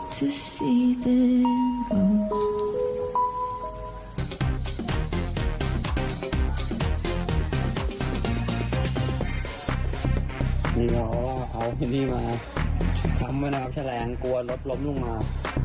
ทำเลยนะครับแชลงกลัวรถลบลงมา